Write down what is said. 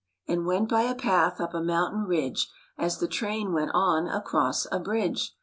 '* And went by a path up a mountain ridge As the train went on across a bridge.